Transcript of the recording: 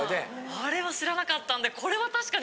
あれは知らなかったんで。